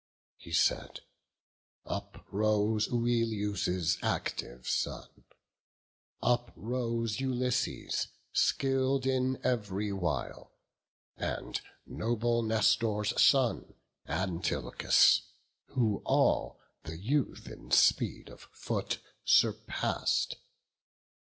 He said: uprose Oileus' active son; Uprose Ulysses, skill'd in ev'ry wile, And noble Nestor's son, Antilochus, Who all the youth in speed of foot surpass'd.